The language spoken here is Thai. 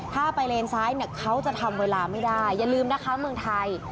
ถ้าไปเลนซ้ายเนี่ยเขาจะทำเวลาไม่ได้อย่าลืมนะคะเมืองไทย